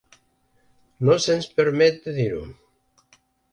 No se'ns permet de dir-ho.